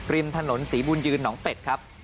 ริมถนนศรีบุญยืนหนองเป็ดครับ